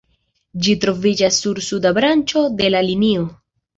Ĝi troviĝas sur suda branĉo de la linio.